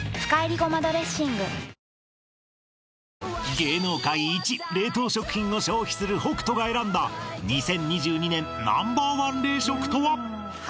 芸能界一冷凍食品を消費する北斗が選んだ２０２２年Ｎｏ．１冷食とは？